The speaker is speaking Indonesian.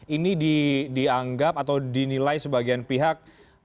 ini dianggap atau dinilai sebagian pihak